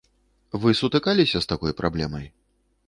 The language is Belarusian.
Вы сутыкаліся з такой праблемай?